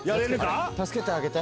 助けてあげて！